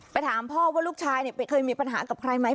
ถามพ่อว่าลูกชายเคยมีปัญหากับใครไหม